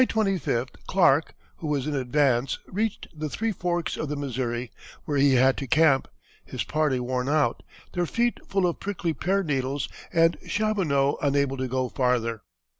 On July 25th Clark, who was in advance, reached the three forks of the Missouri, where he had to camp, his party worn out, their feet full of prickly pear needles and Chaboneau unable to go farther.